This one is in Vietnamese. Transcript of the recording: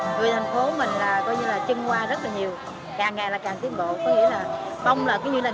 người thành phố mình là coi như là chân hoa rất là nhiều càng ngày là càng tiến bộ